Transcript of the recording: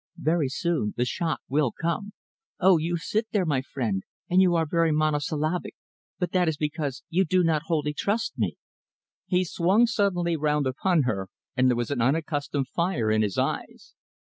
Very soon the shock will come. Oh! you sit there, my friend, and you are very monosyllabic, but that is because you do not wholly trust me." He swung suddenly round upon her and there was an unaccustomed fire in his eyes.